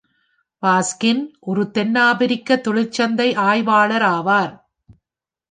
Baskin ஒரு தென்னாப்பிரிக்க தொழில்சந்தை ஆய்வாளர் ஆவார்.